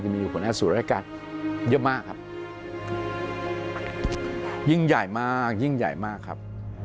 จะมีคนอาจสูญรายการเยอะมากครับยิ่งใหญ่มากยิ่งใหญ่มากครับ